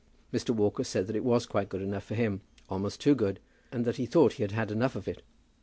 Mr. Walker said that it was quite good enough for him, almost too good, and that he thought that he had had enough of it.